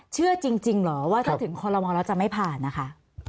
เชื่อจริงเหรอว่าถ้าถึงคอลโมแล้วจะไม่ผ่านนะคะ